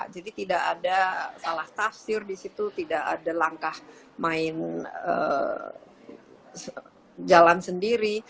jadi tidak ada salah tafsir di situ tidak ada langkah main jalan sendiri